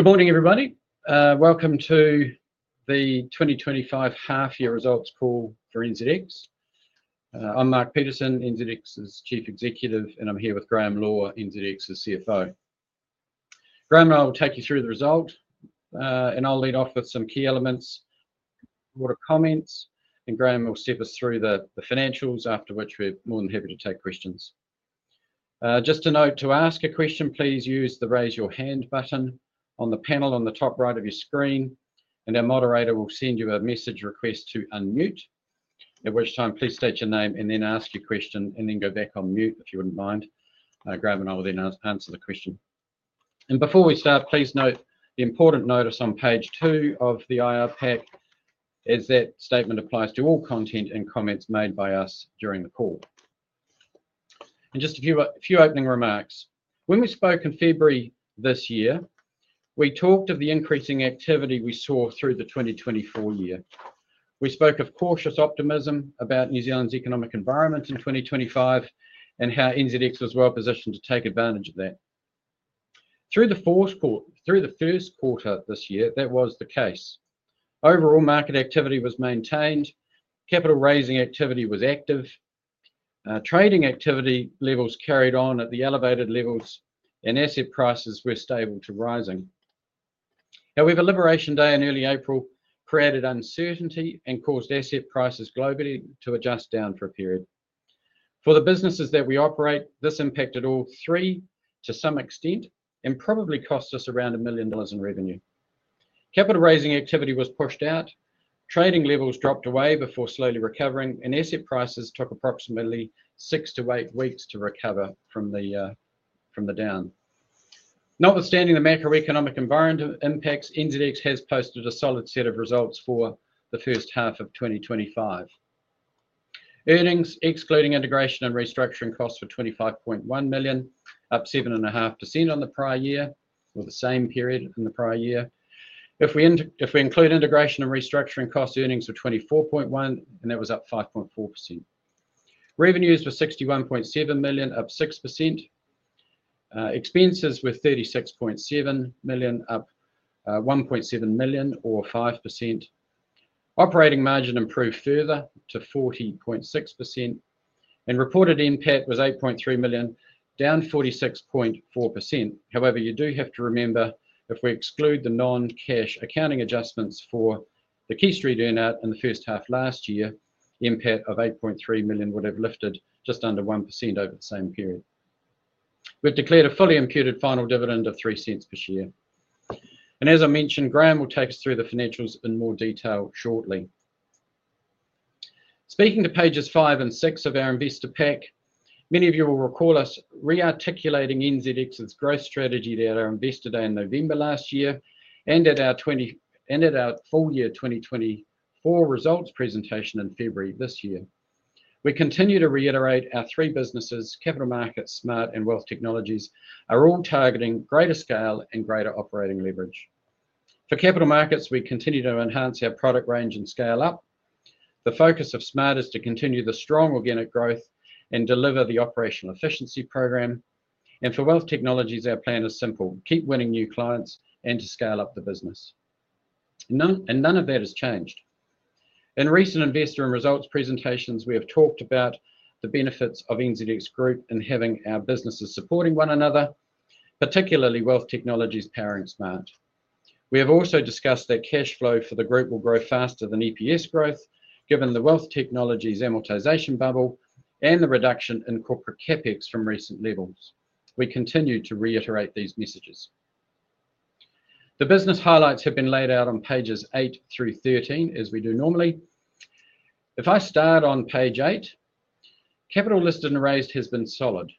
Good morning, everybody. Welcome to the 2025 Half-Year Results Call for NZX Limited. I'm Mark Peterson, NZX's Chief Executive, and I'm here with Graham Law, NZX's Chief Financial Officer. Graham and I will take you through the result, and I'll lead off with some key elements, a lot of comments, and Graham will step us through the financials, after which we're more than happy to take questions. Just a note: to ask a question, please use the Raise Your Hand button on the panel on the top right of your screen, and our moderator will send you a message request to unmute, at which time please state your name and then ask your question, and then go back on mute if you wouldn't mind. Graham and I will then answer the question. Before we start, please note the important notice on page two of the IR pack is that the statement applies to all content and comments made by us during the call. Just a few opening remarks. When we spoke in February this year, we talked of the increasing activity we saw through the 2024 year. We spoke of cautious optimism about New Zealand's economic environment in 2025 and how NZX Limited was well-positioned to take advantage of that. Through the first quarter of this year, that was the case. Overall, market activity was maintained, capital raising activity was active, trading activity levels carried on at the elevated levels, and asset prices were stable to rising. However, Liberation Day in early April created uncertainty and caused asset prices globally to adjust down for a period. For the businesses that we operate, this impacted all three to some extent and probably cost us around 1 million dollars in revenue. Capital raising activity was pushed out, trading levels dropped away before slowly recovering, and asset prices took approximately six to eight weeks to recover from the down. Notwithstanding the macro-economic environment impacts, NZX Limited has posted a solid set of results for the first half of 2025. Earnings, excluding integration and restructuring costs, were 25.1 million, up 7.5% on the prior year, or the same period from the prior year. If we include integration and restructuring costs, earnings were 24.1 million, and that was up 5.4%. Revenues were 61.7 million, up 6%. Expenses were 36.7 million, up 1.7 million, or 5%. Operating margin improved further to 40.6%, and reported impact was 8.3 million, down 46.4%. However, you do have to remember if we exclude the non-cash accounting adjustments for the Keystrate earnout in the first half last year, the impact of 8.3 million would have lifted just under 1% over the same period. We've declared a fully imputed final dividend of 0.03 per share. As I mentioned, Graham will take us through the financials in more detail shortly. Speaking to pages five and six of our investor pack, many of you will recall us rearticulating NZX's growth strategy at our investor day in November last year and at our full year 2024 results presentation in February this year. We continue to reiterate our three businesses: Capital Markets, Smart, and NZX Wealth Technologies are all targeting greater scale and greater operating leverage. For Capital Markets, we continue to enhance our product range and scale up. The focus of Smart is to continue the strong organic growth and deliver the operational efficiency program. For NZX Wealth Technologies, our plan is simple: keep winning new clients and to scale up the business. None of that has changed. In recent investor and results presentations, we have talked about the benefits of NZX Group and having our businesses supporting one another, particularly NZX Wealth Technologies powering Smart. We have also discussed that cash flow for the group will grow faster than EPS growth, given the NZX Wealth Technologies amortization bubble and the reduction in corporate CapEx from recent levels. We continue to reiterate these messages. The business highlights have been laid out on pages 8 through 13, as we do normally. If I start on page 8, capital listed and raised has been solid.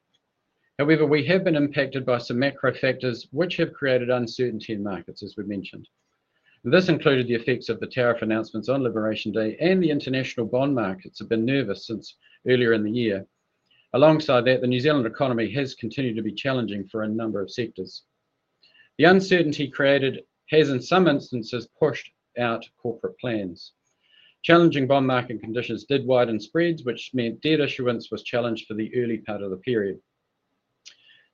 However, we have been impacted by some macro factors which have created uncertainty in markets, as we mentioned. This included the effects of the tariff announcements on Liberation Day, and the international bond markets have been nervous since earlier in the year. Alongside that, the New Zealand economy has continued to be challenging for a number of sectors. The uncertainty created has, in some instances, pushed out corporate plans. Challenging bond market conditions did widen spreads, which meant debt issuance was challenged for the early part of the period.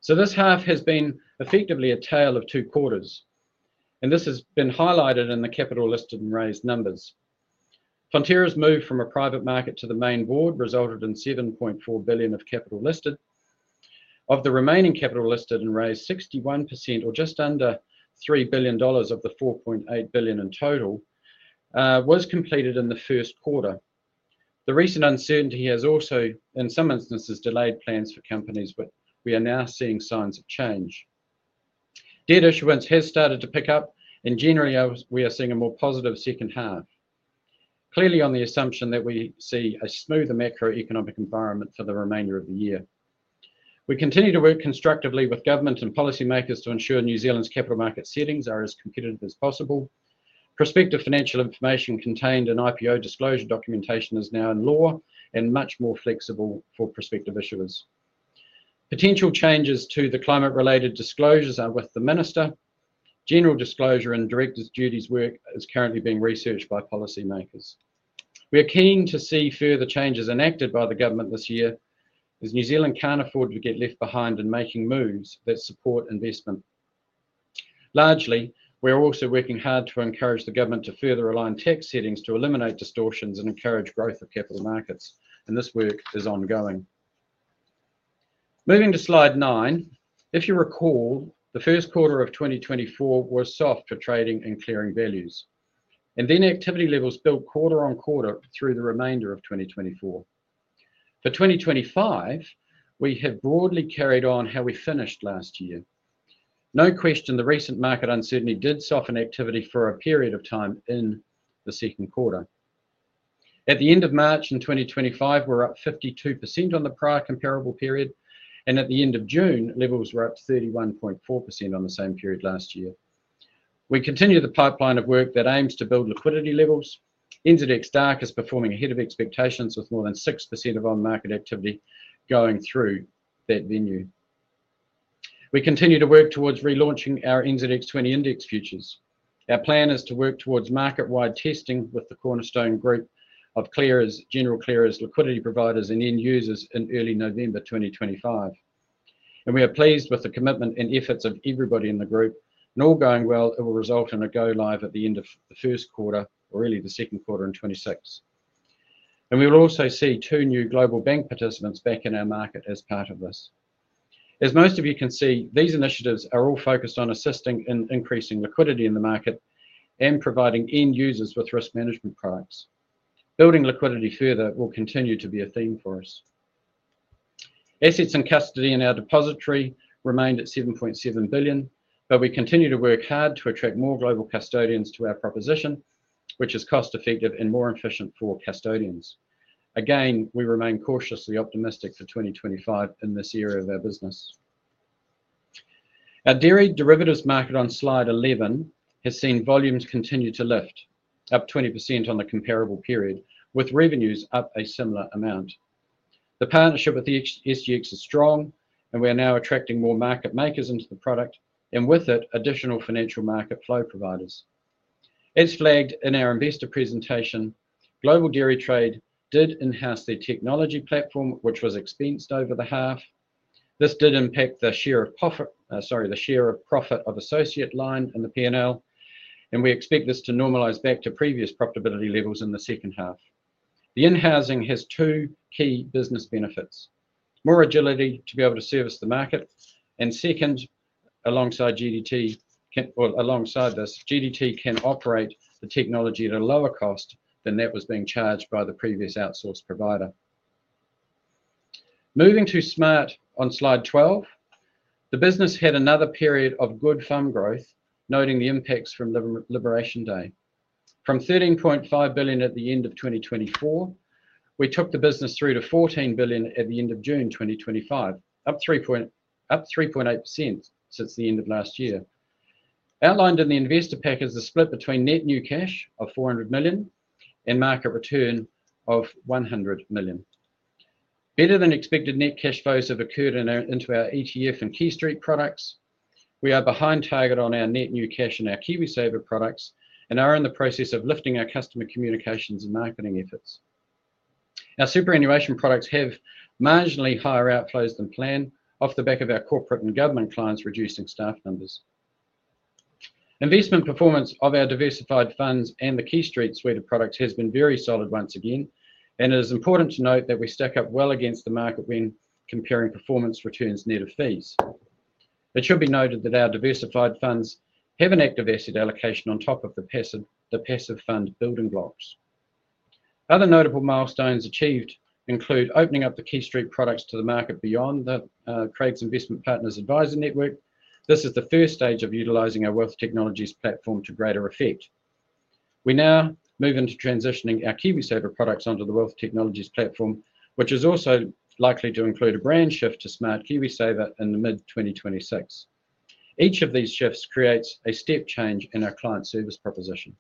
This half has been effectively a tale of two quarters, and this has been highlighted in the capital listed and raised numbers. Fonterra Cooperative Group's move from a private market to the main board resulted in 7.4 billion of capital listed. Of the remaining capital listed and raised, 61%, or just under 3 billion dollars of the 4.8 billion in total, was completed in the first quarter. The recent uncertainty has also, in some instances, delayed plans for companies, but we are now seeing signs of change. Debt issuance has started to pick up, and generally, we are seeing a more positive second half, clearly on the assumption that we see a smoother macro-economic environment for the remainder of the year. We continue to work constructively with government and policymakers to ensure New Zealand's capital market settings are as competitive as possible. Prospective financial information contained in IPO disclosure documentation is now in law and much more flexible for prospective issuers. Potential changes to the climate-related disclosures are with the Minister. General disclosure and directors' duties work is currently being researched by policymakers. We are keen to see further changes enacted by the government this year, as New Zealand can't afford to get left behind in making moves that support investment. Largely, we are also working hard to encourage the government to further align tax settings to eliminate distortions and encourage growth of capital markets, and this work is ongoing. Moving to slide nine, if you recall, the first quarter of 2024 was soft for trading and clearing values, and then activity levels built quarter on quarter through the remainder of 2024. For 2025, we have broadly carried on how we finished last year. No question, the recent market uncertainty did soften activity for a period of time in the second quarter. At the end of March in 2025, we're up 52% on the prior comparable period, and at the end of June, levels were up 31.4% on the same period last year. We continue the pipeline of work that aims to build liquidity levels. NZX Dark is performing ahead of expectations with more than 6% of on-market activity going through that venue. We continue to work towards relaunching our S&P/NZX 20 Index Futures. Our plan is to work towards market-wide testing with the cornerstone group of general clearers, liquidity providers, and end users in early November 2025. We are pleased with the commitment and efforts of everybody in the group, and all going well, it will result in a go live at the end of the first quarter, or really the second quarter in 2026. We will also see two new global bank participants back in our market as part of this. As most of you can see, these initiatives are all focused on assisting in increasing liquidity in the market and providing end users with risk management products. Building liquidity further will continue to be a theme for us. Assets in custody in our depository remained at 7.7 billion, but we continue to work hard to attract more global custodians to our proposition, which is cost-effective and more efficient for custodians. We remain cautiously optimistic for 2025 in this area of our business. Our dairy derivatives market on slide 11 has seen volumes continue to lift, up 20% on the comparable period, with revenues up a similar amount. The partnership with Singapore Exchange is strong, and we are now attracting more market makers into the product, and with it, additional financial market flow providers. As flagged in our investor presentation, Global Dairy Trade did in-house their technology platform, which was expensed over the half. This did impact the share of profit of Associate Line and the P&L, and we expect this to normalize back to previous profitability levels in the second half. The in-housing has two key business benefits: more agility to be able to service the market, and second, alongside GDT, can operate the technology at a lower cost than that was being charged by the previous outsourced provider. Moving to Smart on slide 12, the business had another period of good fund growth, noting the impacts from Liberation Day. From 13.5 billion at the end of 2024, we took the business through to 14 billion at the end of June 2025, up 3.8% since the end of last year. Outlined in the investor pack is a split between net new cash of 400 million and market return of 100 million. Better than expected net cash flows have occurred into our ETF and keystrate products. We are behind target on our net new cash and our KiwiSaver products and are in the process of lifting our customer communications and marketing efforts. Our superannuation products have marginally higher outflows than planned, off the back of our corporate and government clients reducing staff numbers. Investment performance of our diversified funds and the keystrate suite of products has been very solid once again, and it is important to note that we stack up well against the market when comparing performance returns near to fees. It should be noted that our diversified funds have an active asset allocation on top of the passive fund building blocks. Other notable milestones achieved include opening up the keystrate products to the market beyond the Craigs Investment Partners Advisor Network. This is the first stage of utilizing our NZX Wealth Technologies platform to greater effect. We now move into transitioning our KiwiSaver products onto the NZX Wealth Technologies platform, which is also likely to include a brand shift to Smart KiwiSaver in mid-2026. Each of these shifts creates a step change in our client service proposition.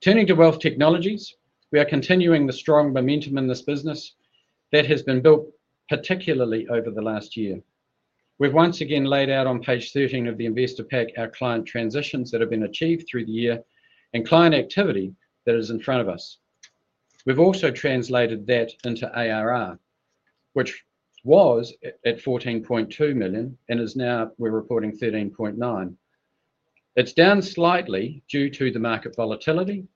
Turning to NZX Wealth Technologies, we are continuing the strong momentum in this business that has been built particularly over the last year. We've once again laid out on page 13 of the investor pack our client transitions that have been achieved through the year and client activity that is in front of us. We've also translated that into ARR, which was at 14.2 million and is now, we're reporting 13.9 million. It's down slightly due to the market volatility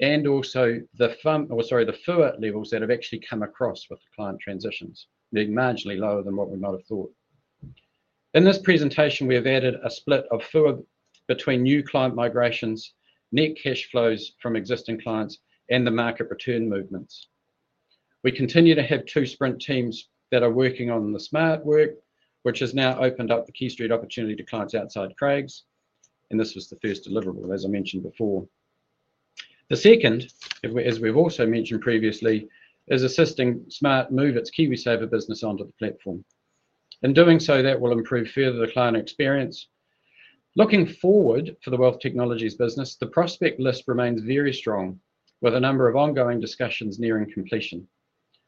and also the FUA levels that have actually come across with client transitions, being marginally lower than what we might have thought. In this presentation, we've added a split of FUA between new client migrations, net cash flows from existing clients, and the market return movements. We continue to have two sprint teams that are working on the Smart work, which has now opened up the keystrate opportunity to clients outside Craigs, and this was the first deliverable, as I mentioned before. The second, as we've also mentioned previously, is assisting Smart move its KiwiSaver business onto the platform. In doing so, that will improve further the client experience. Looking forward for the NZX Wealth Technologies business, the prospect list remains very strong, with a number of ongoing discussions nearing completion.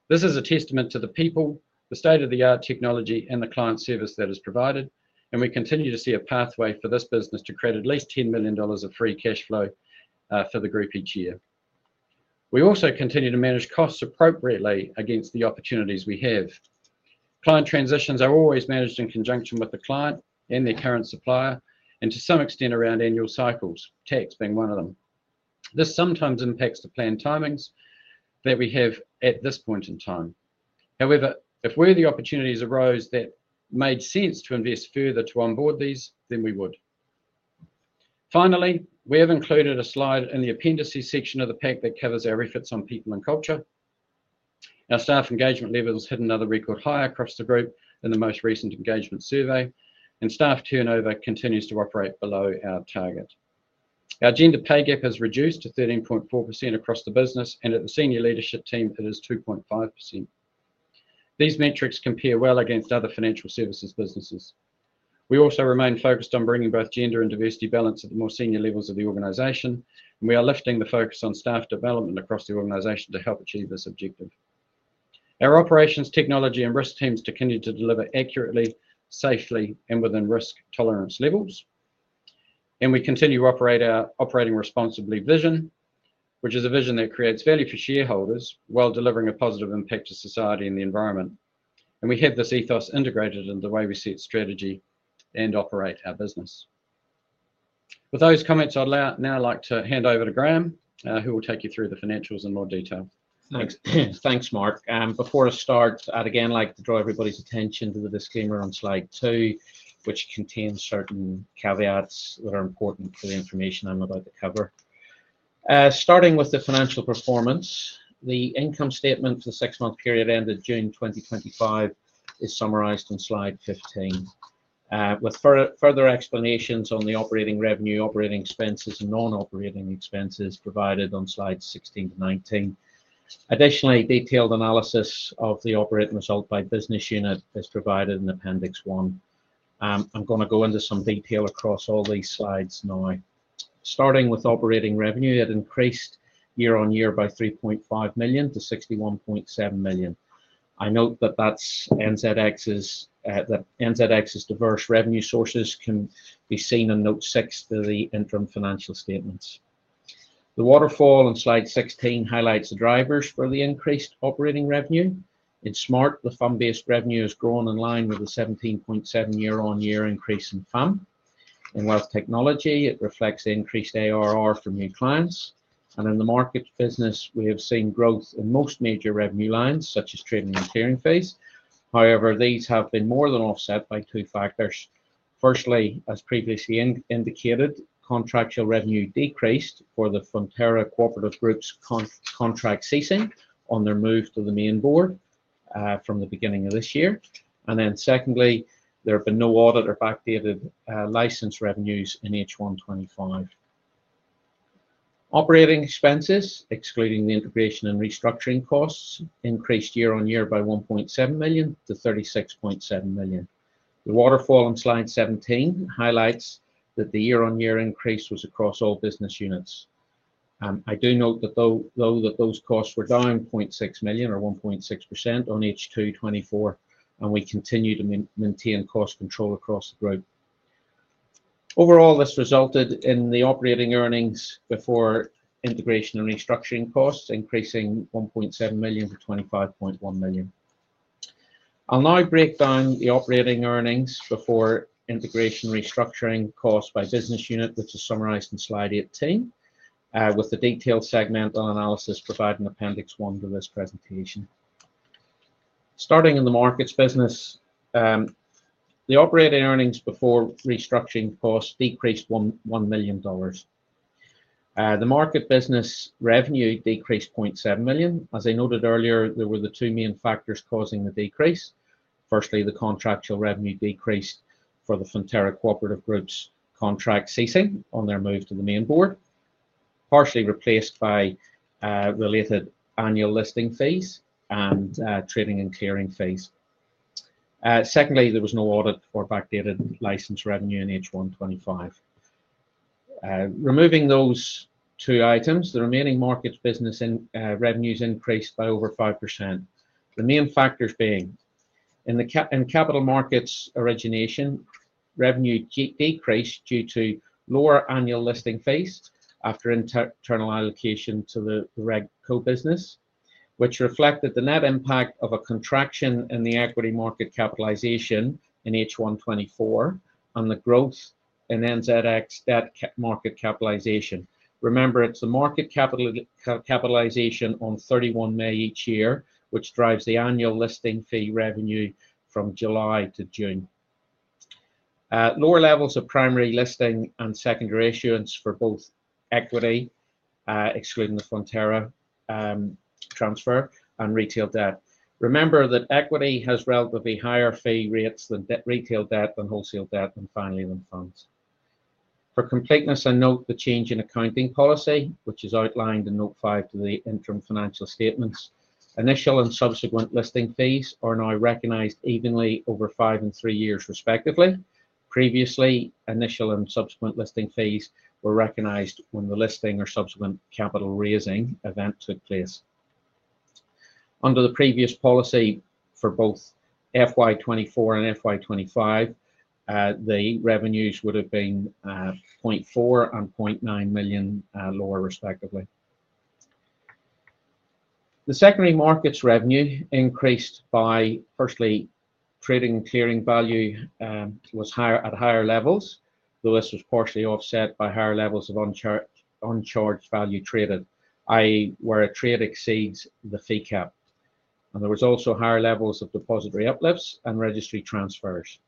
This is a testament to the people, the state-of-the-art technology, and the client service that is provided, and we continue to see a pathway for this business to create at least 10 million dollars of free cash flow for the group each year. We also continue to manage costs appropriately against the opportunities we have. Client transitions are always managed in conjunction with the client and their current supplier, and to some extent around annual cycles, tax being one of them. This sometimes impacts the planned timings that we have at this point in time. However, if where the opportunities arose, that made sense to invest further to onboard these, then we would. Finally, we have included a slide in the appendices section of the pack that covers our efforts on people and culture. Our staff engagement levels hit another record high across the group in the most recent engagement survey, and staff turnover continues to operate below our target. Our gender pay gap has reduced to 13.4% across the business, and at the Senior Leadership Team, it is 2.5%. These metrics compare well against other financial services businesses. We also remain focused on bringing both gender and diversity balance at the more senior levels of the organization, and we are lifting the focus on staff development across the organization to help achieve this objective. Our operations, technology, and risk teams continue to deliver accurately, safely, and within risk tolerance levels, and we continue to operate our operating responsibly vision, which is a vision that creates value for shareholders while delivering a positive impact to society and the environment. We have this ethos integrated in the way we see its strategy and operate our business. With those comments, I'd now like to hand over to Graham, who will take you through the financials in more detail. Thanks, Mark. Before I start, I'd again like to draw everybody's attention to the disclaimer on slide two, which contains certain caveats that are important for the information I'm about to cover. Starting with the financial performance, the income statement for the six-month period ended June 2025 is summarized in slide 15, with further explanations on the operating revenue, operating expenses, and non-operating expenses provided on slides 16 to 19. Additionally, detailed analysis of the operating result by business unit is provided in appendix one. I'm going to go into some detail across all these slides now. Starting with operating revenue, it increased year on year by 3.5 million to 61.7 million. I note that NZX's diverse revenue sources can be seen in note six to the interim financial statements. The waterfall on slide 16 highlights the drivers for the increased operating revenue. In Smart, the fund-based revenue has grown in line with the 17.7% year on year increase in fund. In NZX Wealth Technologies, it reflects the increased ARR for new clients. In the market business, we have seen growth in most major revenue lines, such as trading and clearing fees. However, these have been more than offset by two factors. Firstly, as previously indicated, contractual revenue decreased for the Fonterra Cooperative Group's contract ceasing on their move to the main board from the beginning of this year. Secondly, there have been no audit or backdated license revenues in H1 2025. Operating expenses, excluding the integration and restructuring costs, increased year on year by 1.7 million to 36.7 million. The waterfall on slide 17 highlights that the year on year increase was across all business units. I do note that those costs were down 0.6 million or 1.6% on H2 2024, and we continue to maintain cost control across the group. Overall, this resulted in the operating earnings before integration and restructuring costs increasing 1.7 million to 25.1 million. I'll now break down the operating earnings before integration and restructuring costs by business unit, which is summarized in slide 18, with the detailed segmental analysis provided in appendix one to this presentation. Starting in the markets business, the operating earnings before restructuring costs decreased 1 million dollars. The market business revenue decreased 0.7 million. As I noted earlier, there were the two main factors causing the decrease. Firstly, the contractual revenue decreased for the Fonterra Cooperative Group's contract ceasing on their move to the main board, partially replaced by related annual listing fees and trading and clearing fees. Secondly, there was no audit or backdated license revenue in H1 2025. Removing those two items, the remaining markets business revenues increased by over 5%. The main factors being in the capital markets origination, revenue decreased due to lower annual listing fees after internal allocation to the reg co-business, which reflected the net impact of a contraction in the equity market capitalization in H1 2024 and the growth in NZX net market capitalization. Remember, it's the market capitalization on 31 May each year, which drives the annual listing fee revenue from July to June. Lower levels of primary listing and secondary issuance for both equity, excluding the Fonterra transfer and retail debt. Remember that equity has relatively higher fee rates than retail debt, than wholesale debt, and finally than funds. For completeness, I note the change in accounting policy, which is outlined in note five to the interim financial statements. Initial and subsequent listing fees are now recognized evenly over five and three years, respectively. Previously, initial and subsequent listing fees were recognized when the listing or subsequent capital raising event took place. Under the previous policy for both FY 2024 and FY 2025, the revenues would have been 0.4 million and 0.9 million lower, respectively. The secondary markets revenue increased by, firstly, trading and clearing value was higher at higher levels, though this was partially offset by higher levels of uncharged value traded, i.e., where a trade exceeds the fee cap. There were also higher levels of depository uplifts and registry transfers.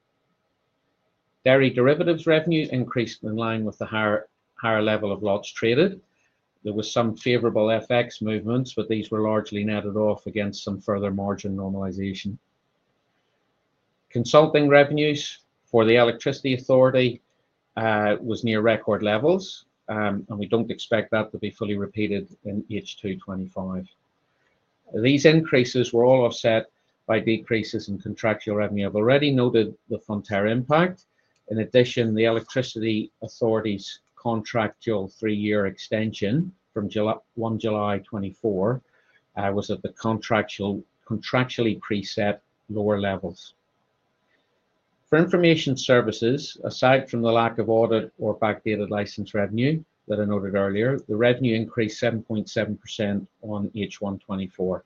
Dairy derivatives revenue increased in line with the higher level of lots traded. There were some favorable FX movements, but these were largely netted off against some further margin normalization. Consulting revenues for the electricity authority were near record levels, and we don't expect that to be fully repeated in H2 2025. These increases were all offset by decreases in contractual revenue. I've already noted the Fonterra impact. In addition, the electricity authority's contractual three-year extension from 1 July 2024 was at the contractually preset lower levels. For information services, aside from the lack of audit or backdated license revenue that I noted earlier, the revenue increased 7.7% on H1 2024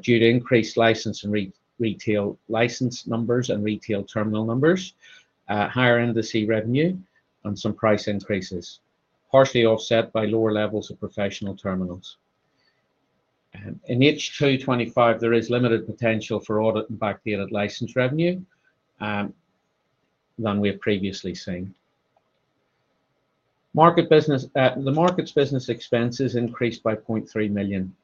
due to increased license and retail license numbers and retail terminal numbers, higher industry revenue, and some price increases, partially offset by lower levels of professional terminals. In H2 2025, there is limited potential for audit and backdated license revenue than we have previously seen. The markets business expenses increased by 0.3 million.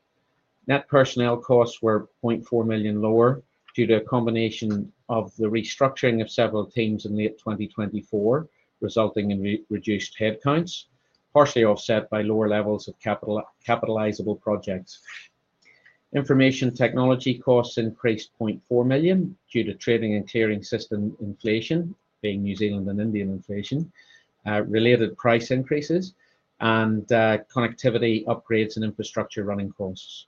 Net personnel costs were 0.4 million lower due to a combination of the restructuring of several teams in late 2024, resulting in reduced headcounts, partially offset by lower levels of capitalizable projects. Information technology costs increased 0.4 million due to trading and clearing system inflation, being New Zealand and Indian inflation, related price increases, and connectivity upgrades and infrastructure running costs.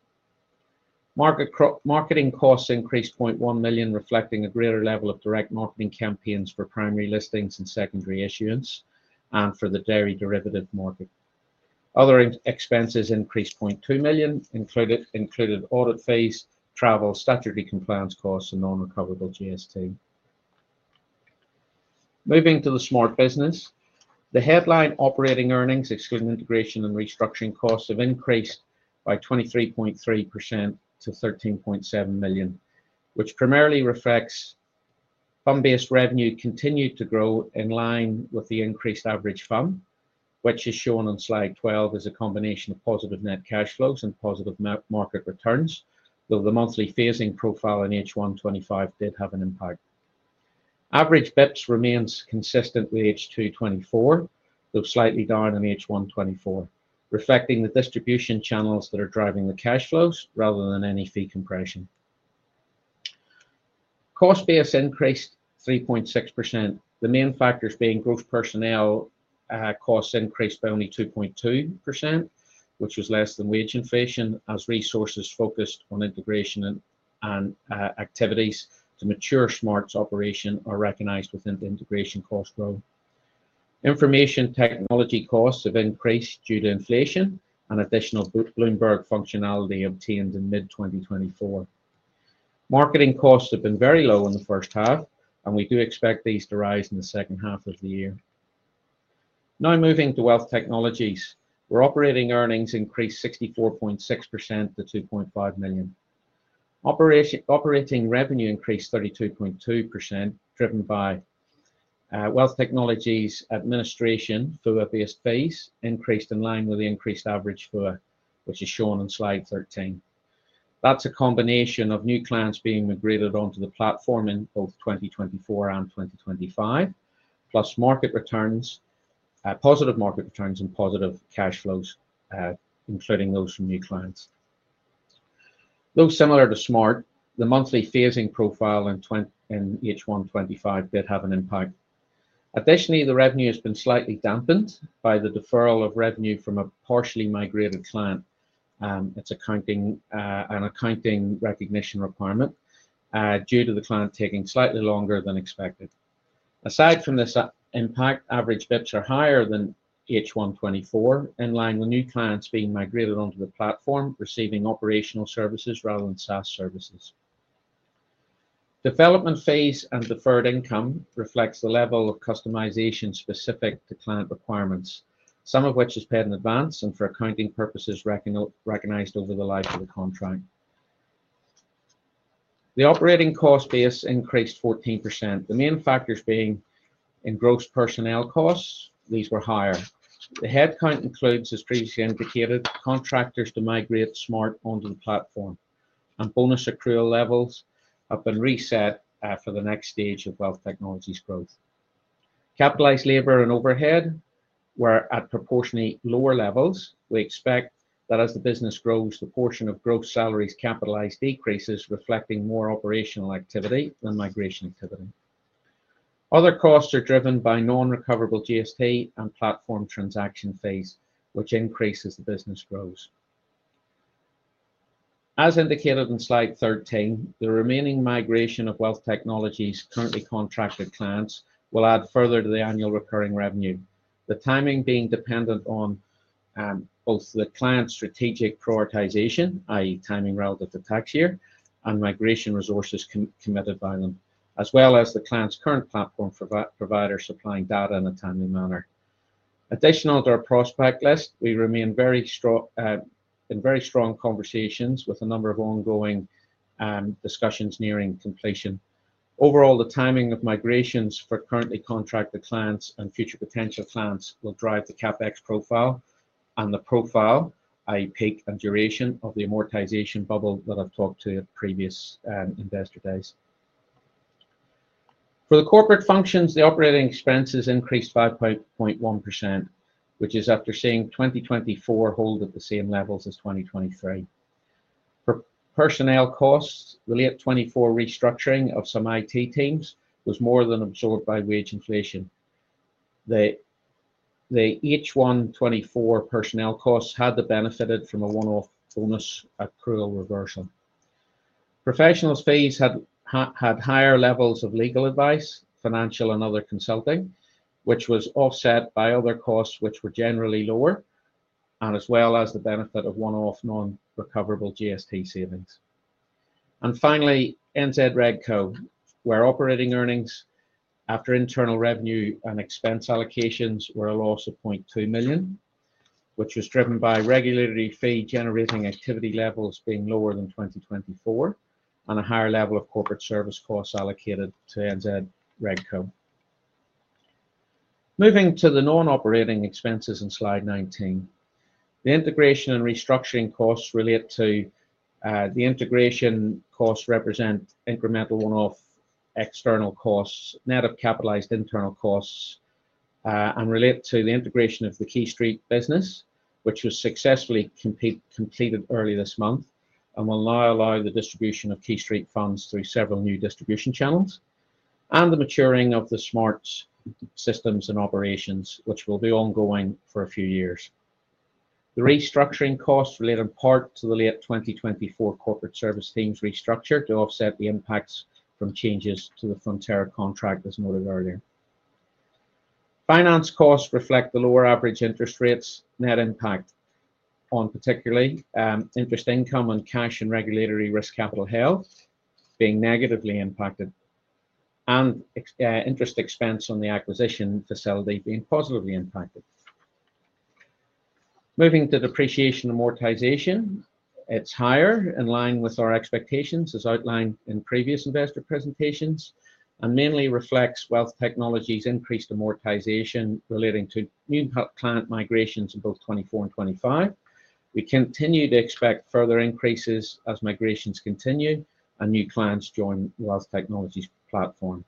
Marketing costs increased 0.1 million, reflecting a greater level of direct marketing campaigns for primary listings and secondary issuance and for the dairy derivatives market. Other expenses increased 0.2 million, included audit fees, travel, statutory compliance costs, and non-recoverable GST. Moving to the Smart business, the headline operating earnings, excluding integration and restructuring costs, have increased by 23.3% to 13.7 million, which primarily reflects fund-based revenue continued to grow in line with the increased average fund, which is shown on slide 12 as a combination of positive net cash flows and positive market returns, though the monthly phasing profile in H2 2025 did have an impact. Average BEPS remains consistent with H2 2024, though slightly down in H1 2024, reflecting the distribution channels that are driving the cash flows rather than any fee compression. Cost base increased 3.6%, the main factors being gross personnel costs increased by only 2.2%, which is less than wage inflation, as resources focused on integration and activities to mature Smart 's operation are recognized within the integration cost flow. Information technology costs have increased due to inflation and additional Bloomberg functionality obtained in mid-2024. Marketing costs have been very low in the first half, and we do expect these to rise in the second half of the year. Now moving to NZX Wealth Technologies, where operating earnings increased 64.6% to 2.5 million. Operating revenue increased 32.2%, driven by NZX Wealth Technologies administration for a fixed fees increased in line with the increased average FUA, which is shown on slide 13. That's a combination of new clients being migrated onto the platform in both 2024 and 2025, plus market returns, positive market returns, and positive cash flows, including those from new clients. Though similar to Smart, the monthly phasing profile in H2 2025 did have an impact. Additionally, the revenue has been slightly dampened by the deferral of revenue from a partially migrated client. It's an accounting recognition requirement due to the client taking slightly longer than expected. Aside from this impact, average BEPS are higher than H1 2024 in line with new clients being migrated onto the platform, receiving operational services rather than SaaS services. Development fees and deferred income reflect the level of customization specific to client requirements, some of which is paid in advance and for accounting purposes recognized over the life of the contract. The operating cost base increased 14%, the main factors being in gross personnel costs. These were higher. The headcount includes, as previously indicated, contractors to migrate Smart onto the platform, and bonus accrual levels have been reset for the next stage of NZX Wealth Technologies growth. Capitalized labor and overhead were at proportionately lower levels. We expect that as the business grows, the portion of gross salaries capitalized decreases, reflecting more operational activity than migration activity. Other costs are driven by non-recoverable GST and platform transaction fees, which increase as the business grows. As indicated in slide 13, the remaining migration of NZX Wealth Technologies currently contracted clients will add further to the annual recurring revenue, the timing being dependent on both the client's strategic prioritization, i.e., timing relative to tax year, and migration resources committed by them, as well as the client's current platform provider supplying data in a timely manner. Additional to our prospect list, we remain in very strong conversations with a number of ongoing discussions nearing completion. Overall, the timing of migrations for currently contracted clients and future potential clients will drive the CapEx profile and the profile, i.e., peak and duration of the amortization bubble that I've talked to at previous investor days. For the corporate functions, the operating expenses increased 5.1%, which is after seeing 2024 hold at the same levels as 2023. For personnel costs, the late 2024 restructuring of some IT teams was more than absorbed by wage inflation. The H1 2024 personnel costs had benefited from a one-off bonus accrual reversal. Professional fees had higher levels of legal advice, financial, and other consulting, which was offset by other costs which were generally lower, as well as the benefit of one-off non-recoverable GST savings. Finally, NZ Red Co, where operating earnings after internal revenue and expense allocations were a loss of 0.2 million, which was driven by regulatory fee-generating activity levels being lower than 2024 and a higher level of corporate service costs allocated to NZ Red Co. Moving to the non-operating expenses in slide 19, the integration and restructuring costs relate to the integration costs representing incremental one-off external costs, net of capitalized internal costs, and relate to the integration of the Keystrate business, which was successfully completed early this month and will now allow the distribution of Keystrate funds through several new distribution channels and the maturing of the Smart systems and operations, which will be ongoing for a few years. The restructuring costs relate in part to the late 2024 corporate service teams restructure to offset the impacts from changes to the Fonterra Cooperative Group contract, as noted earlier. Finance costs reflect the lower average interest rates net impact on particularly interest income on cash and regulatory risk capital health being negatively impacted and interest expense on the acquisition facility being positively impacted. Moving to depreciation and amortization, it's higher in line with our expectations as outlined in previous investor presentations and mainly reflects NZX Wealth Technologies' increased amortization relating to new client migrations in both 2024 and 2025. We continue to expect further increases as migrations continue and new clients join NZX Wealth Technologies' platform.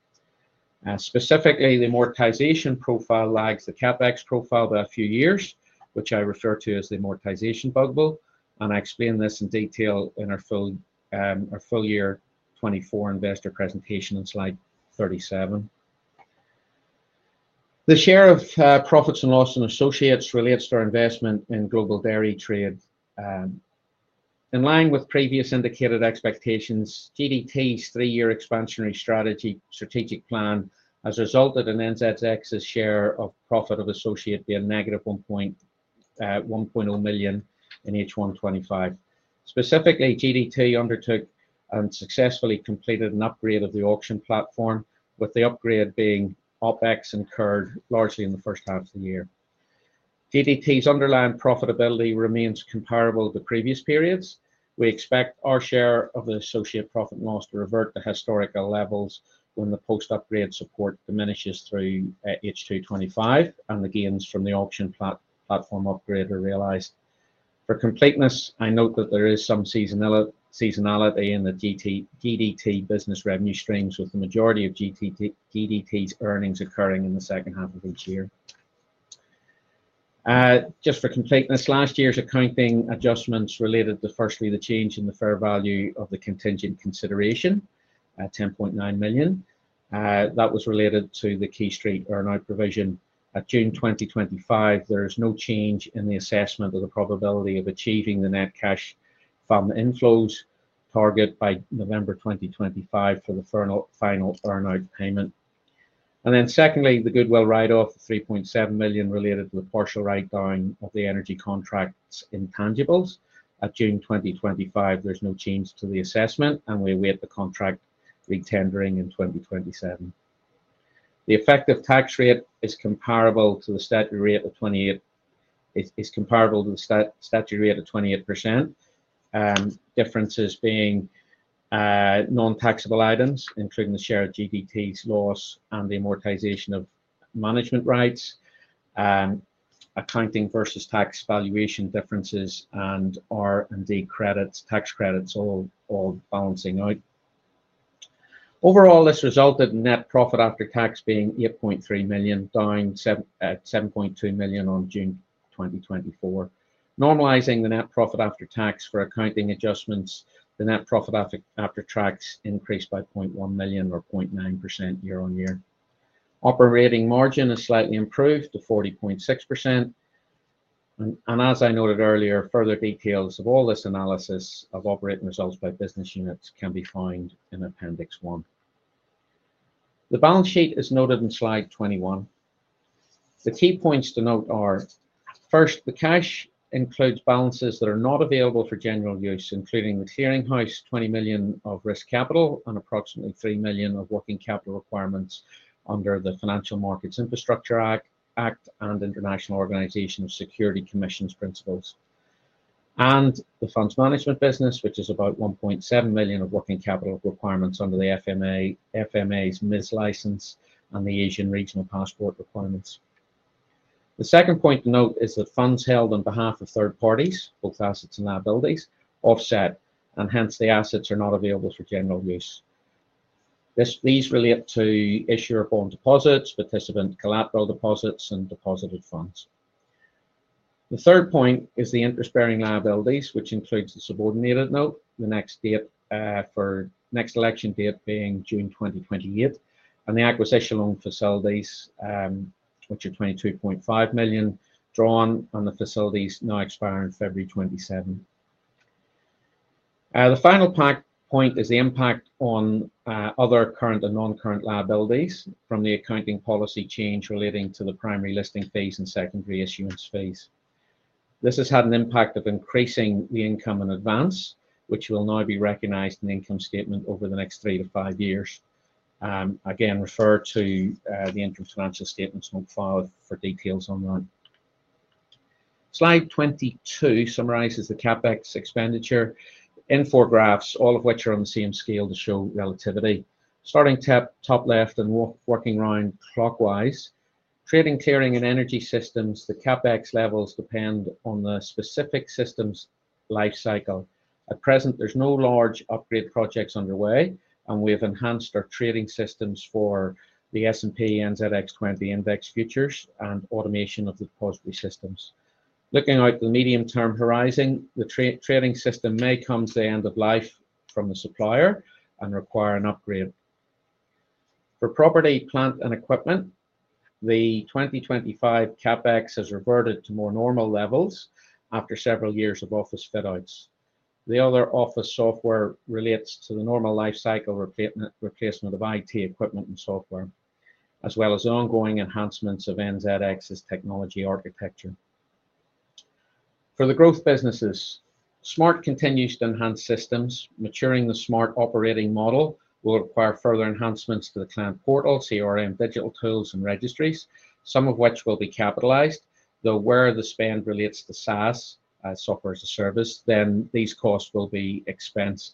Specifically, the amortization profile lags the CapEx profile by a few years, which I refer to as the amortization bubble, and I explain this in detail in our full-year 2024 investor presentation on slide 37. The share of profits and loss in associates relates to our investment in global dairy trade. In line with previous indicated expectations, GDT's three-year expansionary strategic plan has resulted in NZX's share of profit of associate being -1.0 million in H2 2025. Specifically, GDT undertook and successfully completed an upgrade of the auction platform, with the upgrade being OpEx incurred largely in the first half of the year. GDT's underlying profitability remains comparable to previous periods. We expect our share of the associate profit and loss to revert to historical levels when the post-upgrade support diminishes through H2 2025 and the gains from the auction platform upgrade are realized. For completeness, I note that there is some seasonality in the GDT business revenue streams with the majority of GDT's earnings occurring in the second half of each year. Just for completeness, last year's accounting adjustments related to firstly the change in the fair value of the contingent consideration at 10.9 million. That was related to the keystrate earnout provision. At June 2025, there is no change in the assessment of the probability of achieving the net cash fund inflows target by November 2025 for the final earnout payment. Secondly, the goodwill write-off of 3.7 million related to the partial write-down of the energy contracts intangibles. At June 2025, there's no change to the assessment, and we await the contract re-tendering in 2027. The effective tax rate is comparable to the statutory rate of 28%, differences being non-taxable items including the share of GDT's loss and the amortization of management rights, accounting versus tax valuation differences, and R&D credits, tax credits, all balancing out. Overall, this resulted in net profit after tax being 8.3 million, down at 7.2 million on June 2024. Normalizing the net profit after tax for accounting adjustments, the net profit after tax increased by 0.1 million or 0.9% year on year. Operating margin is slightly improved to 40.6%. As I noted earlier, further details of all this analysis of operating results by business units can be found in appendix one. The balance sheet is noted in slide 21. The key points to note are, first, the cash includes balances that are not available for general use, including the clearing house, 20 million of risk capital, and approximately 3 million of working capital requirements under the Financial Markets Infrastructure Act and International Organization of Security Commissions principles. The funds management business, which is about 1.7 million of working capital requirements under the FMA's MIS license and the Asian Regional Passport requirements. The second point to note is that funds held on behalf of third parties, both assets and liabilities, offset, and hence the assets are not available for general use. These relate to issuer-upon deposits, participant collateral deposits, and deposited funds. The third point is the interest-bearing liabilities, which includes the subordinated note, the next election date being June 2028, and the acquisition loan facilities, which are 22.5 million drawn, and the facilities now expire on February 27. The final point is the impact on other current and non-current liabilities from the accounting policy change relating to the primary listing fees and secondary issuance fees. This has had an impact of increasing the income in advance, which will now be recognized in the income statement over the next three to five years. Refer to the interest financial statements note file for details on that. Slide 22 summarizes the CapEx expenditure in four graphs, all of which are on the same scale to show relativity. Starting top left and working round clockwise, trading, clearing, and energy systems, the CapEx levels depend on the specific system's life cycle. At present, there's no large upgrade projects underway, and we have enhanced our trading systems for the S&P/NZX 20 Index Futures and automation of the depository systems. Looking out to the medium-term horizon, the trading system may come to the end of life from the supplier and require an upgrade. For property, plant, and equipment, the 2025 CapEx has reverted to more normal levels after several years of office fit-outs. The other office software relates to the normal life cycle replacement of IT equipment and software, as well as ongoing enhancements of NZX's technology architecture. For the growth businesses, Smart continues to enhance systems. Maturing the Smart operating model will require further enhancements to the client portal, CRM, digital tools, and registries, some of which will be capitalized. Where the spend relates to the SaaS, as software as a service, then these costs will be expensed.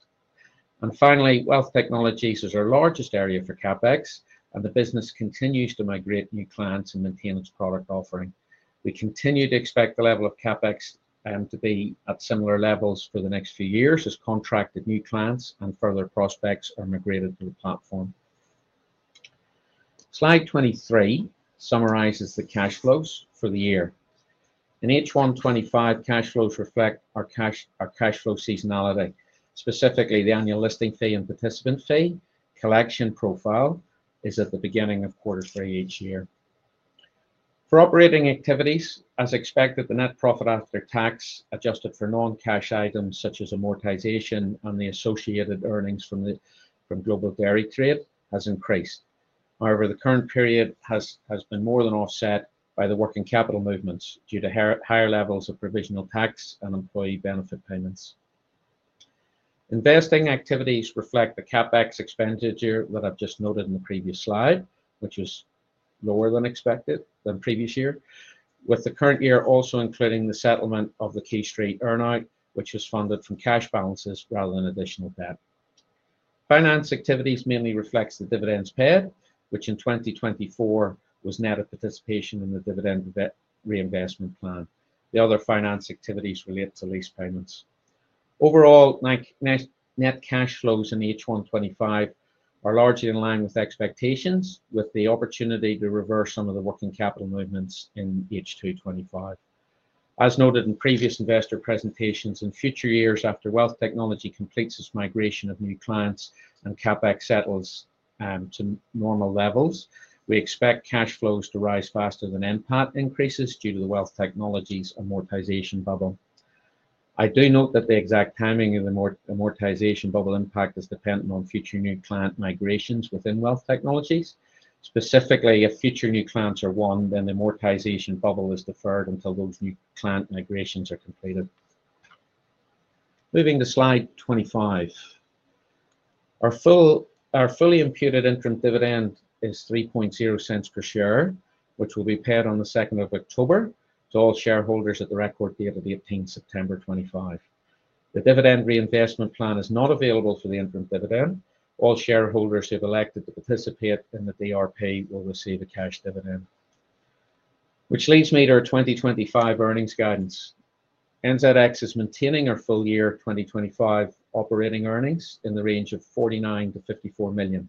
Wealth Technologies is our largest area for CapEx, and the business continues to migrate new clients and maintain its product offering. We continue to expect the level of CapEx to be at similar levels for the next few years as contracted new clients and further prospects are migrated to the platform. Slide 23 summarizes the cash flows for the year. In H1 2025, cash flows reflect our cash flow seasonality. Specifically, the annual listing fee and participant fee collection profile is at the beginning of quarter three each year. For operating activities, as expected, the net profit after tax adjusted for non-cash items such as amortization and the associated earnings from global dairy trade has increased. However, the current period has been more than offset by the working capital movements due to higher levels of provisional tax and employee benefit payments. Investing activities reflect the CapEx expenditure that I've just noted in the previous slide, which is lower than expected than previous year, with the current year also including the settlement of the Keystrate earnout, which is funded from cash balances rather than additional debt. Finance activities mainly reflect the dividends paid, which in 2024 was net of participation in the dividend reinvestment plan. The other finance activities relate to lease payments. Overall, net cash flows in H1 2025 are largely in line with expectations, with the opportunity to reverse some of the working capital movements in H2 2025. As noted in previous investor presentations, in future years after Wealth Technologies completes its migration of new clients and CapEx settles to normal levels, we expect cash flows to rise faster than NPAT increases due to the Wealth Technologies' amortization bubble. I do note that the exact timing of the amortization bubble impact is dependent on future new client migrations within Wealth Technologies. Specifically, if future new clients are won, then the amortization bubble is deferred until those new client migrations are completed. Moving to slide 25, our fully imputed interim dividend is 0.03 per share, which will be paid on the 2nd of October to all shareholders at the record date of the 18th of September, 2025. The dividend reinvestment plan is not available for the interim dividend. All shareholders who have elected to participate in the DRP will receive a cash dividend, which leads me to our 2025 earnings guidance. NZX Limited is maintaining our full year 2025 operating earnings in the range of 49 million-54 million.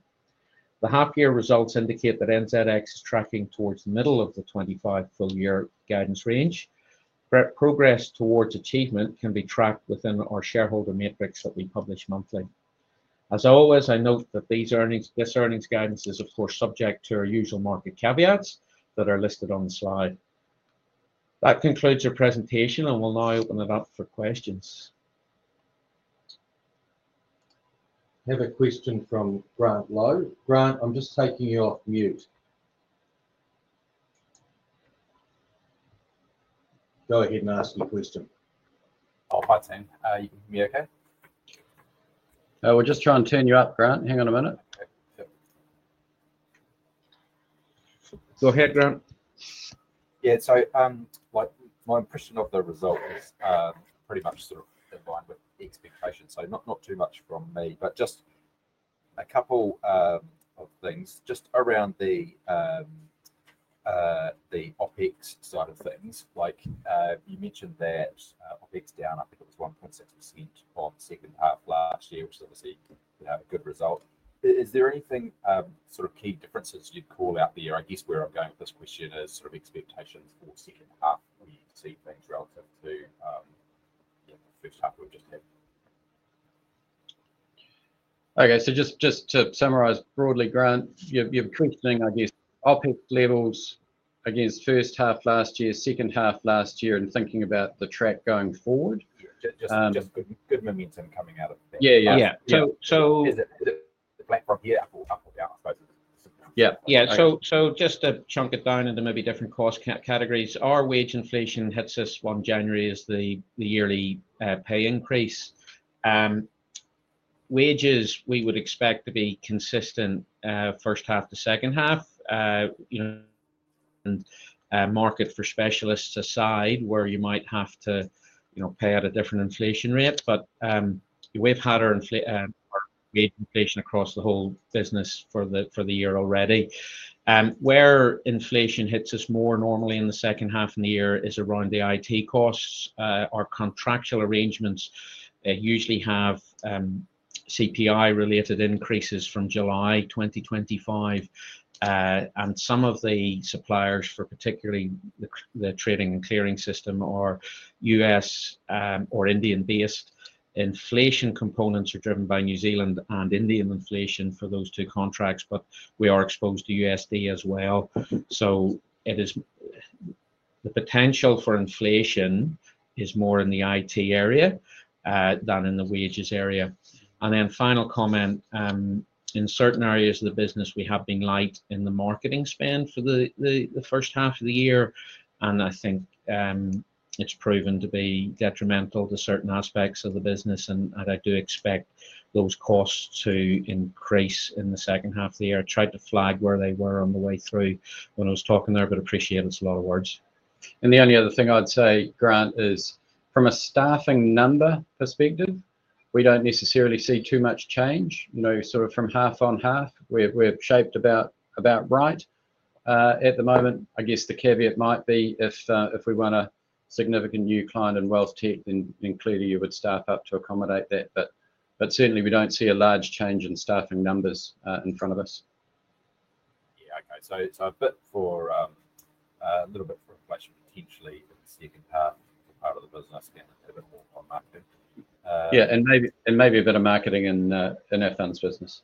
The half-year results indicate that NZX Limited is tracking towards the middle of the 2025 full year guidance range. Progress towards achievement can be tracked within our shareholder matrix that we publish monthly. As always, I note that this earnings guidance is, of course, subject to our usual market caveats that are listed on the slide. That concludes your presentation, and we'll now open it up for questions. I have a question from Grant Lowe. Grant, I'm just taking you off mute. Go ahead and ask your question. Hi Tim. You can hear me okay? We're just trying to turn you up, Grant. Hang on a minute. Go ahead, Grant. Yeah, so my impression of the result is pretty much sort of in line with the expectations, so not too much from me, but just a couple of things. Just around the OpEx side of things, like you mentioned that OpEx down, I think it was 1.6% on the second half last year, which is obviously a good result. Is there anything sort of key differences you'd call out there, I guess, where I'm going? This question is sort of expectations for the second half when you see things relative to... Okay, just to summarize broadly, Grant, you're questioning, I guess, OpEx levels against first half last year, second half last year, and thinking about the track going forward? Just good momentum coming out of it. Yeah. So just to chunk it down into maybe different cost categories, our wage inflation hits us on January as the yearly pay increase. Wages, we would expect to be consistent first half to second half. Market for specialists aside, where you might have to pay out a different inflation rate, but we've had our wage inflation across the whole business for the year already. Where inflation hits us more normally in the second half of the year is around the IT costs. Our contractual arrangements usually have CPI adjustments from July 2025, and some of the suppliers for particularly the trading and clearing system are U.S. or Indian-based. Inflation components are driven by New Zealand and Indian inflation for those two contracts, but we are exposed to USD as well. The potential for inflation is more in the IT area than in the wages area. In certain areas of the business, we have been light in the marketing spend for the first half of the year, and I think it's proven to be detrimental to certain aspects of the business, and I do expect those costs to increase in the second half of the year. I tried to flag where they were on the way through when I was talking there, but appreciate it's a lot of words. The only other thing I'd say, Grant, is from a staffing number perspective, we don't necessarily see too much change. No, sort of from half on half, we're shaped about right at the moment. I guess the caveat might be if we run a significant new client in NZX Wealth Technologies, then clearly you would staff up to accommodate that. Certainly, we don't see a large change in staffing numbers in front of us. Yeah, okay. It's a bit for a little bit for inflation potentially in the second half out of the business. I spend a little bit more on marketing. Yeah, and maybe a bit of marketing in FM's business.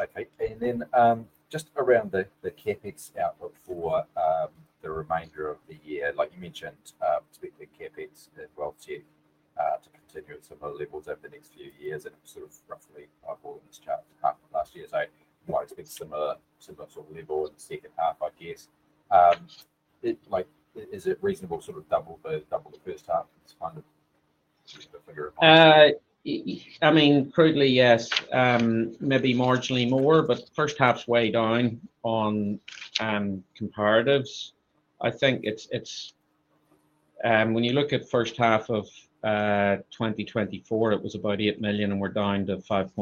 Okay. Just around the CapEx output for the remainder of the year, like you mentioned, expect the CapEx at NZX Wealth Technologies to continue at similar levels over the next few years. It's sort of roughly NZD 5 million chart last year. Might expect a similar sort of level in the second half, I guess. Is it reasonable to sort of double the first half? I mean, crudely, yes. Maybe marginally more, but the first half's way down on comparatives. I think it's when you look at the first half of 2024, it was about 8 million, and we're down to 5.4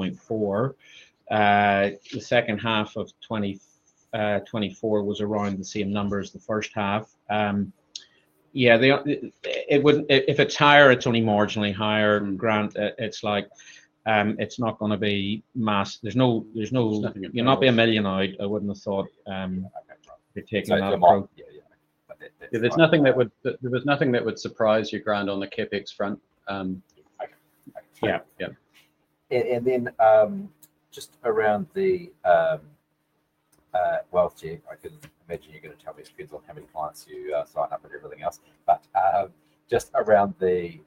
million. The second half of 2024 was around the same number as the first half. It wouldn't, if it's higher, it's only marginally higher. Grant, it's like it's not going to be mass. There's no, you're not being a millionaire. I wouldn't have thought, particularly in that amount. Yeah, yeah. There was nothing that would surprise you, Grant, on the CapEx front. Yeah, yeah. Just around the Wealth Tech, I could imagine you're going to tell me as soon as you'll have clients who sign up and everything else. Just around the,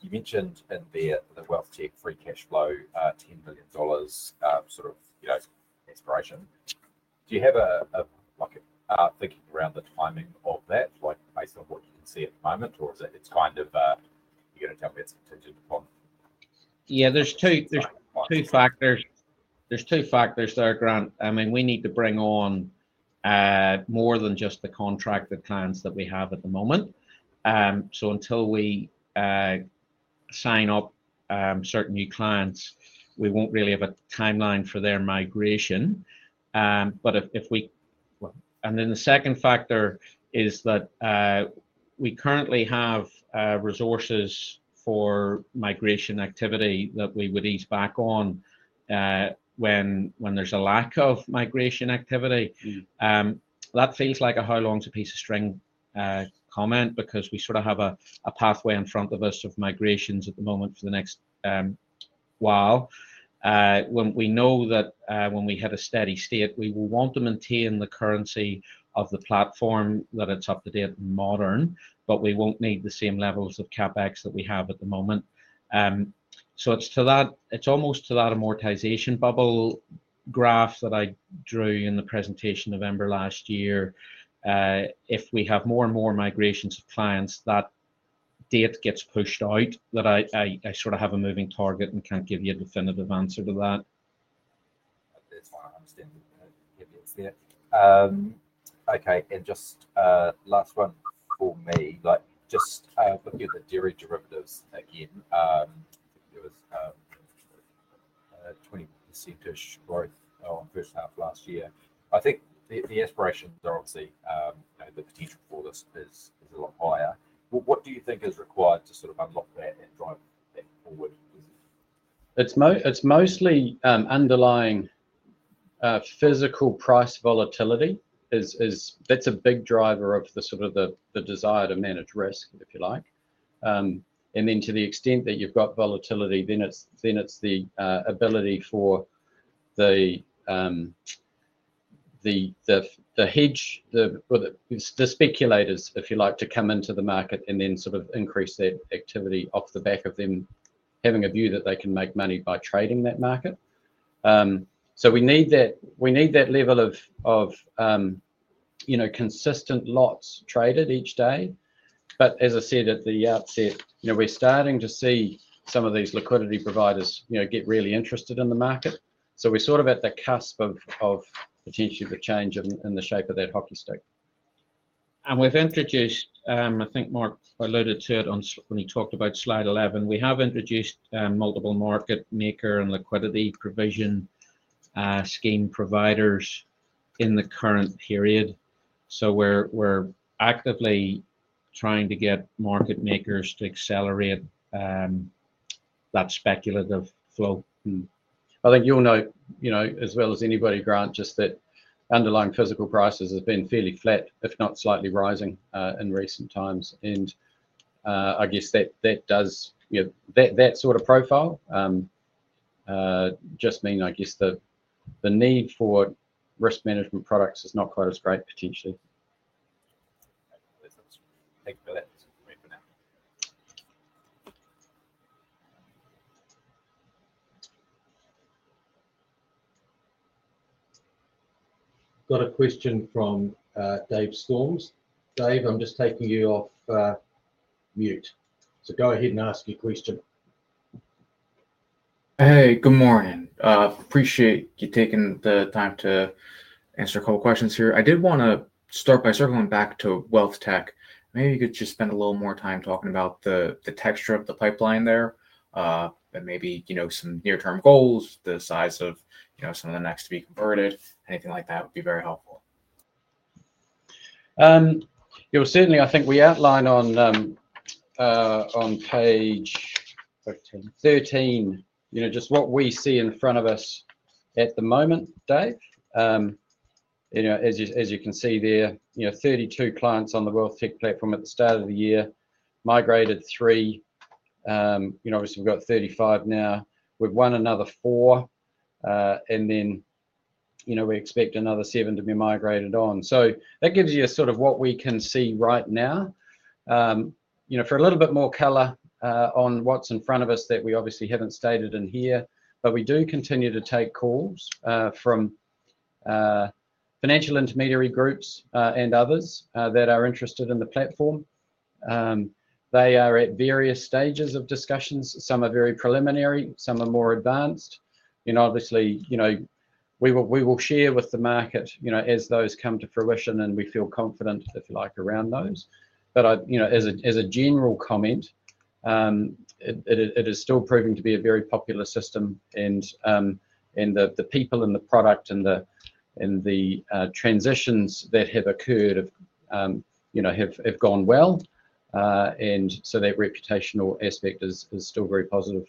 you mentioned in the Wealth Tech free cash flow, 10 million dollars sort of, you know, aspiration. Do you have a thinking around the timing of that, like based on what you can see at the moment, or is it kind of, you're going to tell me it's intentional? Yeah, there's two factors there, Grant. I mean, we need to bring on more than just the contracted clients that we have at the moment. Until we sign up certain new clients, we won't really have a timeline for their migration. The second factor is that we currently have resources for migration activity that we would ease back on when there's a lack of migration activity. That feels like a how long to piece of string comment because we sort of have a pathway in front of us of migrations at the moment for the next while. We know that when we hit a steady state, we will want to maintain the currency of the platform, that it's up to date and modern, but we won't need the same levels of CapEx that we have at the moment. It's almost to that amortization bubble graph that I drew in the presentation November last year. If we have more and more migrations of clients, that date gets pushed out, that I sort of have a moving target and can't give you a definitive answer to that. That's why I understand the CapEx there. Okay, just last one for me, just looking at the dairy derivatives again, there was a 20% growth on the first half of last year. I think the aspirations are obviously, the potential for this is a lot higher. What do you think is required to sort of unlock that and then drive that forward? It's mostly underlying physical price volatility. That's a big driver of the sort of the desire to manage risk, if you like. To the extent that you've got volatility, then it's the ability for the hedge, the speculators, if you like, to come into the market and increase that activity off the back of them having a view that they can make money by trading that market. We need that level of consistent lots traded each day. As I said at the outset, we're starting to see some of these liquidity providers get really interested in the market. We're at the cusp of potentially the change in the shape of that hockey stick. We've introduced, I think Mark alluded to it when he talked about slide 11, we have introduced multiple market maker and liquidity provision scheme providers in the current period. We're actively trying to get market makers to accelerate that speculative flow. I think you'll know as well as anybody, Grant, just that underlying physical prices have been fairly flat, if not slightly rising in recent times. I guess that sort of profile just means the need for risk management products is not quite as great potentially. Thanks for that. Got a question from Dave Storms. Dave, I'm just taking you off mute. Go ahead and ask your question. Hey, good morning. Appreciate you taking the time to answer a couple of questions here. I did want to start by circling back to NZX Wealth Technologies. Maybe you could just spend a little more time talking about the texture of the pipeline there and maybe some near-term goals, the size of some of the next to be converted, anything like that would be very helpful. Certainly, I think we outline on page 13 just what we see in front of us at the moment, Dave. As you can see there, 32 clients on the NZX Wealth Technologies platform at the start of the year, migrated three. Obviously, we've got 35 now. We've won another four, and we expect another seven to be migrated on. That gives you sort of what we can see right now. For a little bit more color on what's in front of us that we obviously haven't stated in here, we do continue to take calls from financial intermediary groups and others that are interested in the platform. They are at various stages of discussions. Some are very preliminary, some are more advanced. We will share with the market as those come to fruition and we feel confident, if you like, around those. As a general comment, it is still proving to be a very popular system. The people and the product and the transitions that have occurred have gone well, and that reputational aspect is still very positive.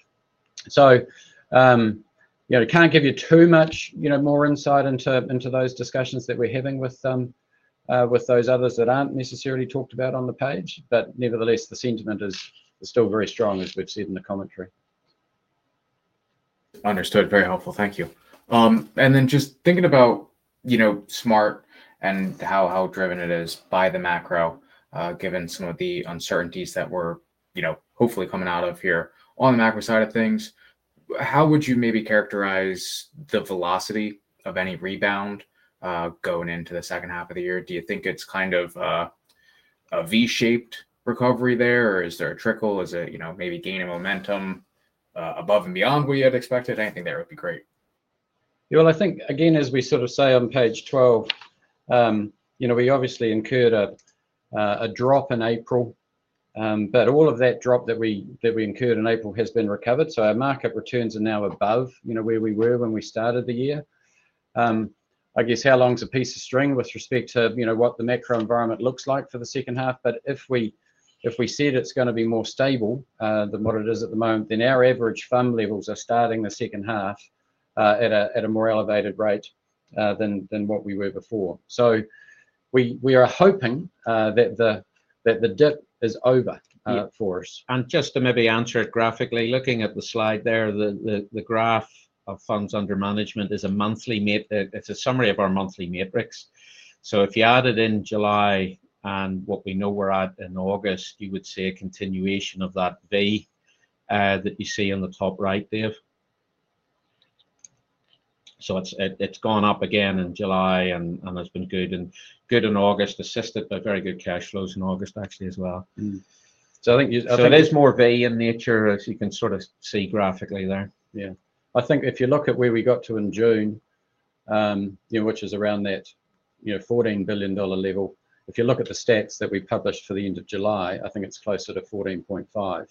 I can't give you too much more insight into those discussions that we're having with those others that aren't necessarily talked about on the page. Nevertheless, the sentiment is still very strong, as we've seen in the commentary. Understood. Very helpful. Thank you. Just thinking about, you know, Smart and how driven it is by the macro, given some of the uncertainties that we're, you know, hopefully coming out of here on the macro side of things, how would you maybe characterize the velocity of any rebound going into the second half of the year? Do you think it's kind of a V-shaped recovery there, or is there a trickle? Is it, you know, maybe gaining momentum above and beyond what you had expected? Anything there would be great. I think, again, as we sort of say on page 12, we obviously incurred a drop in April. All of that drop that we incurred in April has been recovered. Our market returns are now above where we were when we started the year. I guess how long is a piece of string with respect to what the macro environment looks like for the second half. If we said it's going to be more stable than what it is at the moment, then our average fund levels are starting the second half at a more elevated rate than what we were before. We are hoping that the dip is over for us. Just to maybe answer it graphically, looking at the slide there, the graph of funds under management is a monthly metric. It's a summary of our monthly metrics. If you added in July and what we know we're at in August, you would see a continuation of that V that you see on the top right there. It's gone up again in July and has been good in August, assisted by very good cash flows in August actually as well. I think it is more V in nature as you can sort of see graphically there. I think if you look at where we got to in June, which is around that 14 billion dollar level, if you look at the stats that we published for the end of July, I think it's closer to 14.5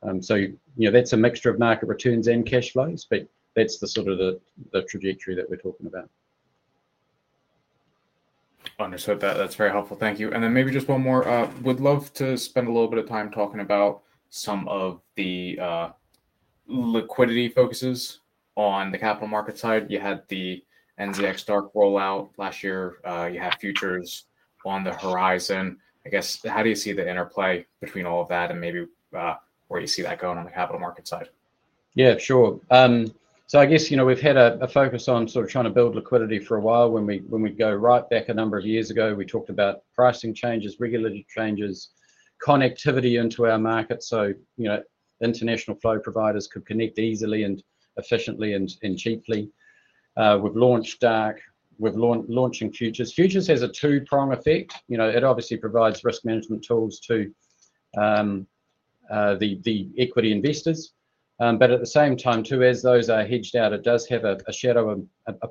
billion. That's a mixture of market returns and cash flows, but that's the sort of the trajectory that we're talking about. Understood. That's very helpful. Thank you. Maybe just one more, we'd love to spend a little bit of time talking about some of the liquidity focuses on the capital market side. You had the NZX Dark rollout last year. You have futures on the horizon. I guess, how do you see that interplay between all of that and maybe where you see that going on the capital market side? Yeah, sure. I guess we've had a focus on trying to build liquidity for a while. When we go right back a number of years ago, we talked about pricing changes, regulatory changes, connectivity into our market. International flow providers could connect easily, efficiently, and cheaply. We've launched NZX Dark. We're launching S&P/NZX 20 Index Futures. Futures has a two-prong effect. It obviously provides risk management tools to the equity investors. At the same time, as those are hedged out, it does have a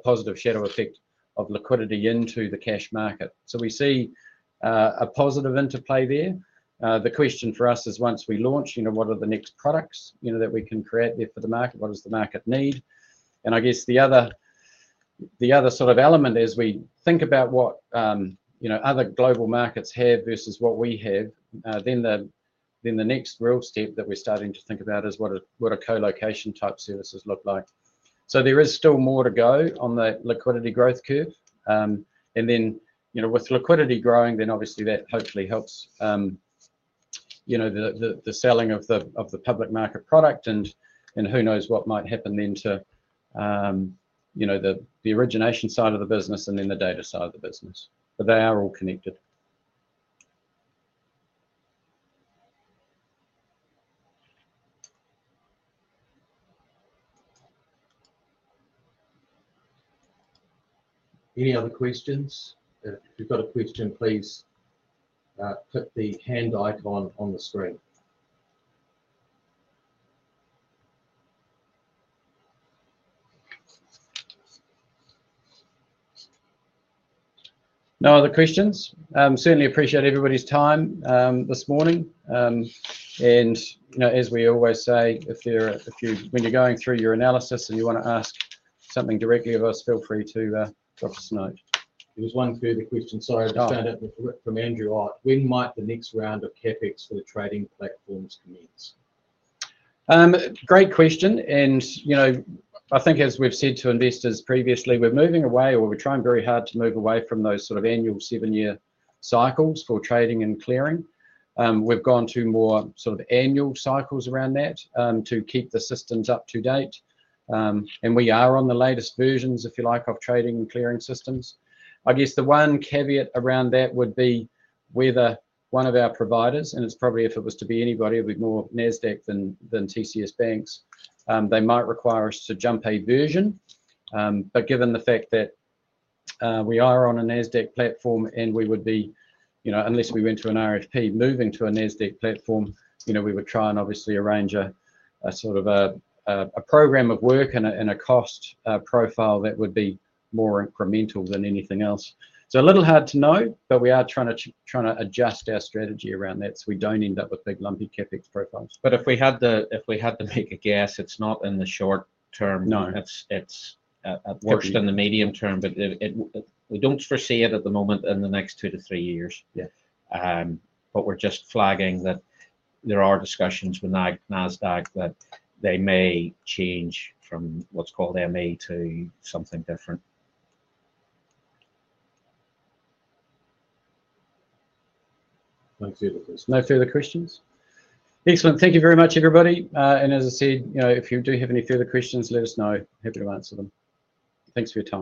positive shadow effect of liquidity into the cash market. We see a positive interplay there. The question for us is once we launch, what are the next products that we can create for the market? What does the market need? The other element is we think about what other global markets have versus what we have. The next real step that we're starting to think about is what colocation type services look like. There is still more to go on the liquidity growth curve. With liquidity growing, that hopefully helps the selling of the public market product. Who knows what might happen then to the origination side of the business and the data side of the business. They are all connected. Any other questions? If you've got a question, please click the hand icon on the screen. No other questions. Certainly appreciate everybody's time this morning. As we always say, if there are a few, when you're going through your analysis and you want to ask something directly of us, feel free to drop us a note. There was one further question. Sorry, I just found out from Andrew, when might the next round of CapEx for the trading platforms commence? Great question. I think as we've said to investors previously, we're moving away or we're trying very hard to move away from those sort of annual seven-year cycles for trading and clearing. We've gone to more sort of annual cycles around that to keep the systems up to date. We are on the latest versions, if you like, of trading and clearing systems. I guess the one caveat around that would be whether one of our providers, and it's probably if it was to be anybody, it would be more NASDAQ than TCS Banks. They might require us to jump a version. Given the fact that we are on a NASDAQ platform and we would be, unless we went to an RFP, moving to a NASDAQ platform, we would try and obviously arrange a sort of a program of work and a cost profile that would be more incremental than anything else. It is a little hard to know, but we are trying to adjust our strategy around that so we don't end up with big lumpy CapEx profiles. If we had to make a guess, it's not in the short term. No. It's at the short term. Worst in the medium term, but we don't foresee it at the moment in the next two to three years. We're just flagging that there are discussions with NASDAQ that they may change from what's called me to something different. No further questions. No further questions. Excellent. Thank you very much, everybody. As I said, if you do have any further questions, let us know. Happy to answer them. Thanks for your time.